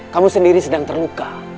kamu sendiri sedang terluka